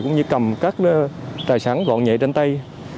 cũng như cầm các tài sản gọn nhẹ trên tay